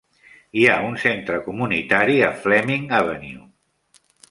Hi ha un centre comunitari a Fleming Avenue.